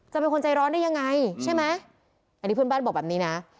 เป็นคนใจร้อนได้ยังไงใช่ไหมอันนี้เพื่อนบ้านบอกแบบนี้นะ